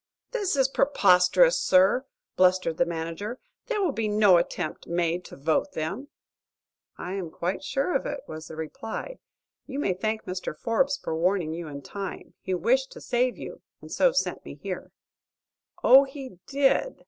"This is preposterous, sir!" blustered the manager. "There will be no attempt made to vote them." "I am quite sure of it," was the reply. "You may thank Mr. Forbes for warning you in time. He wished to save you, and so sent me here." "Oh, he did!"